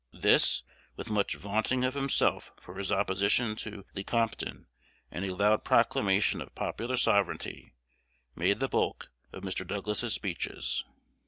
This, with much vaunting of himself for his opposition to Lecompton, and a loud proclamation of "popular sovereignty," made the bulk of Mr. Douglas's speeches.